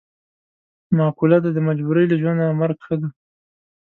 معقوله ده: د مجبورۍ له ژوند نه مرګ ښه دی.